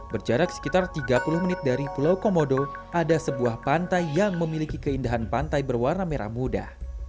berjarak sekitar tiga puluh menit dari pulau komodo ada sebuah pantai yang memiliki keindahan pantai berwarna merah muda